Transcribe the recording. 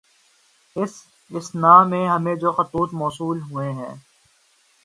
اس اثنا میں ہمیں جو خطوط موصول ہوئے ہیں